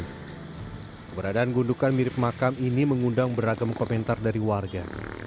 keberadaan gundukan mirip makam ini mengundang beragam komentar dari warga